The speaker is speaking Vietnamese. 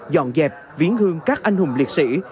dọn dẹp viến hương các anh hùng liệt sĩ